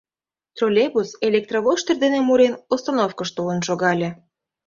Троллейбус, электровоштыр дене мурен, остановкыш толын шогале.